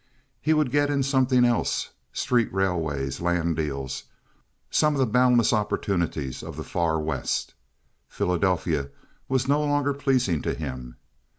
He would get in something else—street railways, land deals, some of the boundless opportunities of the far West. Philadelphia was no longer pleasing to him.